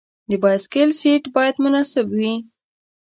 د بایسکل سیټ باید مناسب وي.